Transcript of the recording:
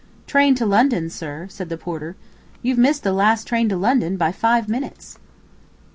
"Train to London, sir?" said the porter. "You've missed the last train to London by five minutes!"